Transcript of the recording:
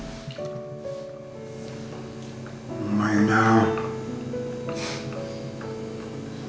うまいなあ。